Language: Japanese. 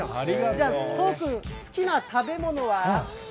じゃあ、そうくん、好きな食べ物は？